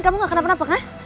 kamu gak kenapa kan